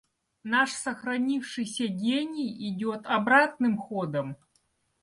Наш сохранившийся гений идет обратным ходом.